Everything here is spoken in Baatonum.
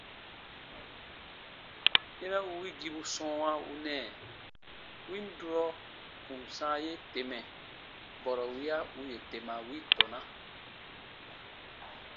Yera u wigibu sɔ̃ɔwa u nɛɛ win durɔ kùn sãa ye temɛ, bɔrɔ wiya u yè tema wi tɔna.